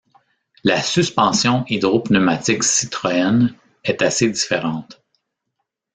La suspension hydropneumatique Citroën est assez différente.